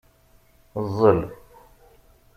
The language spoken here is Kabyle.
Ẓẓel.